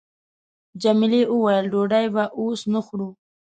جميلې وويل:، ډوډۍ به اوس نه خورو.